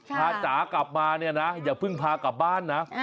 จ๋ากลับมาเนี่ยนะอย่าเพิ่งพากลับบ้านนะ